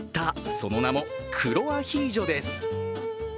その名も黒アヒージョてす。